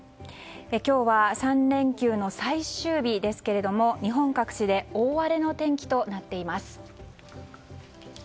今日は３連休の最終日ですが日本各地で大荒れの天気となっています。